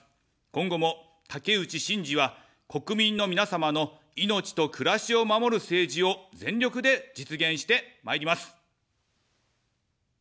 今後も、竹内しんじは、国民の皆様の命と暮らしを守る政治を全力で実現してまいります。